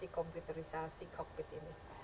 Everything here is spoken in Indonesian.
komputerisasi kokpit ini